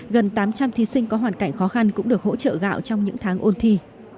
gần tám trăm linh thí sinh có hoàn cảnh khó khăn cũng được hỗ trợ gạo trong những tháng ôn thi